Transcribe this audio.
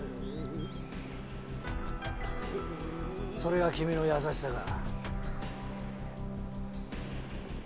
それが君の優しさか？